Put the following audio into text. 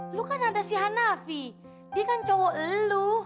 lo kan ada si hanafi dia kan cowok lo